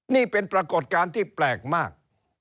นี่เป็นปรากฏการณ์ที่แปลกมาก